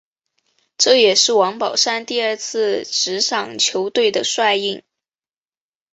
这也是王宝山第二次执掌球队的帅印。